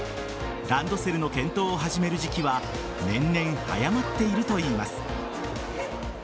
ランドセルの検討を始める時期は年々早まっているといいます。